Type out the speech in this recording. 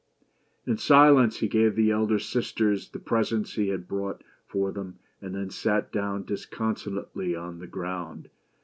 In silence he gave the elder sisters the presents he had brought for them, and then sat down disconsolately on the ground.